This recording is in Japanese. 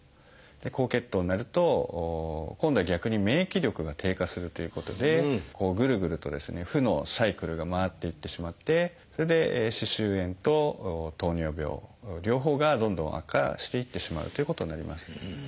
高血糖になると今度は逆に免疫力が低下するということでぐるぐるとですね負のサイクルが回っていってしまってそれで歯周炎と糖尿病両方がどんどん悪化していってしまうということになります。